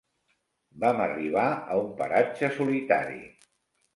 Vam arribar a un paratge solitari.